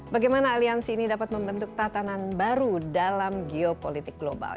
bagaimana aliansi ini dapat membentuk tatanan baru dalam geopolitik global